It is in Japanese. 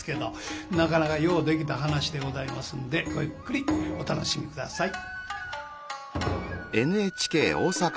なかなかようできた噺でございますんでごゆっくりお楽しみ下さい。